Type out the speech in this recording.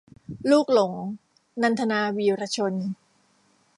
ลูกหลง - นันทนา วีระชน